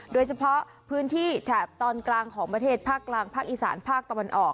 โดยเฉพาะพื้นที่แถบตอนกลางของประเทศภาคกลางภาคอีสานภาคตะวันออก